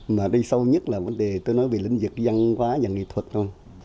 mà đi sâu nhất là vấn đề tôi nói về lĩnh vực văn hóa và nghệ thuật luôn